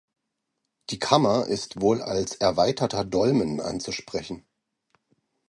Die Kammer ist wohl als erweiterter Dolmen anzusprechen.